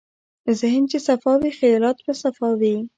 ذهن چې صفا وي، خیالات به صفا وي.